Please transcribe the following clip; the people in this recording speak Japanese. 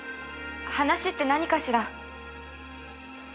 話って何かしら？」